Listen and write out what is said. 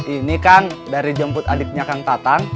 ini kan dari jemput adiknya kang tatan